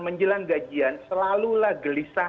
menjelang gajian selalulah gelisah